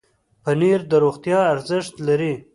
پنېر د روغتیا ارزښت لري.